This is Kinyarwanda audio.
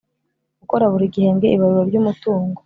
Gukora buri gihembwe ibarura ry umutungo